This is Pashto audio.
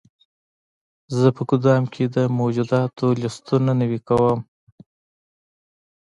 زه په ګدام کې د موجوداتو لیستونه نوي کوم.